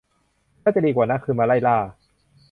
น่าจะดีกว่านะ คือมาไล่ล่า